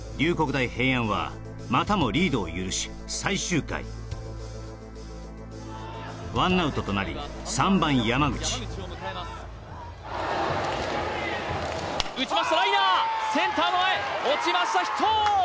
大平安はまたもリードを許し最終回１アウトとなり３番山口打ちましたライナーセンター前落ちましたヒット！